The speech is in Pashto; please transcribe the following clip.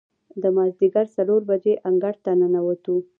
د مازدیګر څلور بجې انګړ ته ننوتو.